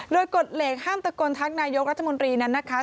โดยกฎเหล็กห้ามตะโกนทักนายกรัฐมนตรีนั้นนะคะ